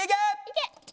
いけ！